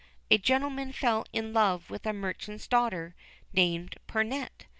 A gentleman fell in love with a merchant's daughter, named Pernette.